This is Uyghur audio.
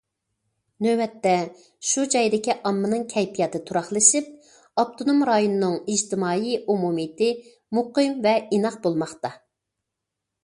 نۆۋەتتە، شۇ جايدىكى ئاممىنىڭ كەيپىياتى تۇراقلىشىپ، ئاپتونوم رايوننىڭ ئىجتىمائىي ئومۇمىيىتى مۇقىم ۋە ئىناق بولماقتا.